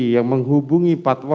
yang menghubungi pak tuar